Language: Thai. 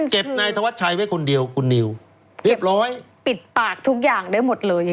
นายธวัชชัยไว้คนเดียวคุณนิวเรียบร้อยปิดปากทุกอย่างได้หมดเลย